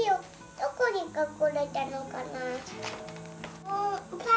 どこに隠れたのかなー。